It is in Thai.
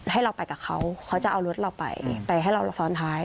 ให้เราไปกับเขาเขาจะเอารถเราไปไปให้เราซ้อนท้าย